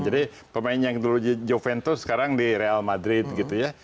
jadi pemain yang dulu juventus sekarang di real madrid gitu ya